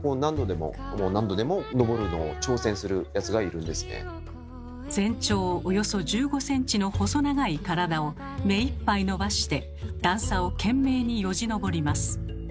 なのですがウナギは全長およそ１５ｃｍの細長い体をめいっぱい伸ばして段差を懸命によじ登ります。